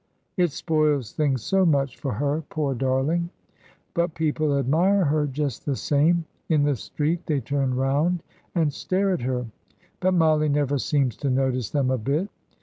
It spoils things so much for her, poor darling! But people admire her just the same in the street they turn round and stare at her; but Mollie never seems to notice them a bit.